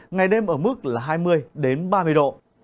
ngày đêm ở mức là hai mươi ba mươi độ